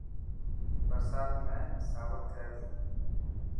برسات ۾ ساوڪ ٿي تي.